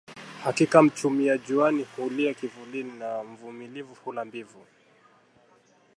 Hakika mchumia juani hulia kivulini na mvumilivu hula mbivu